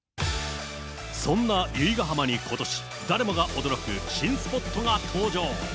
そんな由比ガ浜にことし、誰もが驚く新スポットが登場。